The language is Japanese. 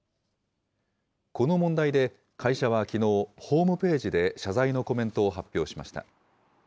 この問題で、会社はきのう、ホームページで謝罪のコメントを発表しました。